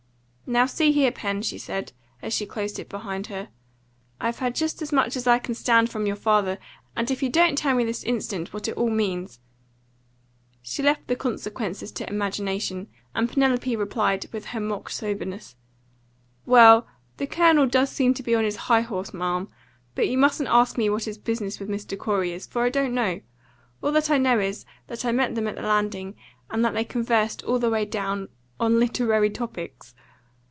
"Now, see here, Pen," she said, as she closed it behind her, "I've had just as much as I can stand from your father, and if you don't tell me this instant what it all means " She left the consequences to imagination, and Penelope replied with her mock soberness "Well, the Colonel does seem to be on his high horse, ma'am. But you mustn't ask me what his business with Mr. Corey is, for I don't know. All that I know is that I met them at the landing, and that they conversed all the way down on literary topics."